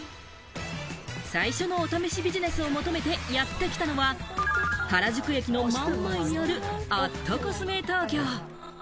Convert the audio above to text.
最初のお試しビジネスを求めてやってきたのは、原宿駅の真ん前にあるアットコスメトーキョー。